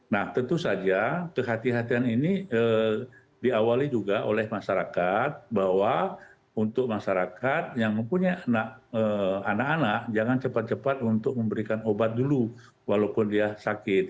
nah tentu saja kehatian kehatian ini diawali juga oleh masyarakat bahwa untuk masyarakat yang mempunyai anak anak jangan cepat cepat untuk memberikan obat dulu walaupun dia sakit